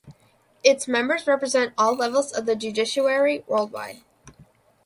Its members represent all levels of the judiciary worldwide.